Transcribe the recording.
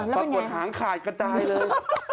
ปรากฏหางขาดกระจายเลย